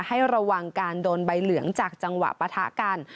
ให้ระวังการโดนใบเหลืองจากจังหวะปะทะกัน